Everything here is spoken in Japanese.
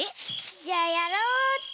じゃあやろうっと。